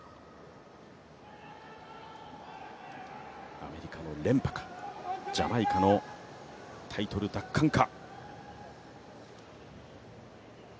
アメリカの連覇かジャマイカのタイトル奪還か。